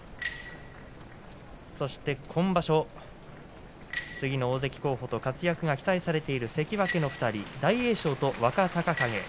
そして、今場所、次の大関候補と活躍が期待されている関脇の大栄翔と若隆景。